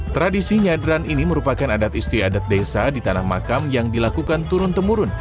tradisi nyadran ini merupakan adat istiadat desa di tanah makam yang dilakukan turun temurun